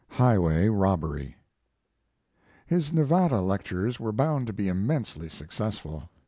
HIGHWAY ROBBERY His Nevada, lectures were bound to be immensely successful.